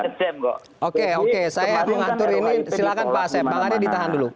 oke oke saya mengatur ini silahkan pak asep bang arya ditahan dulu